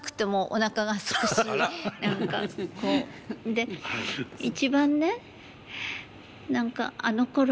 で一番ね何かあのころは。